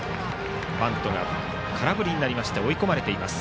バントが空振りになりまして追い込まれています。